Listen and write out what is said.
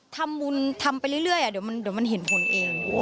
ทำบุญทำไปเรื่อยเดี๋ยวมันเห็นผลเอง